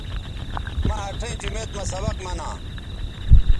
مہ اٹھئیں جومیت مہ سبق منا